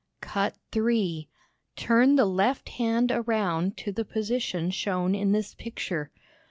Cut 3 Turn the left hand around to the position shown in this picture.